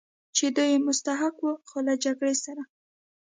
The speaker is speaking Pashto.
چې دوی یې مستحق و، خو له جګړې سره.